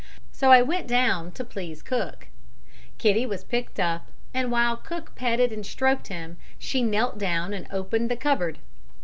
So I went down to please cook. Kitty was picked up, and while cook petted and stroked him, she knelt down and opened the cupboard.